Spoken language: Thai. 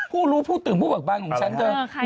ผู้รู้ผู้ตื่นผู้เบิกบานของฉันเถอะ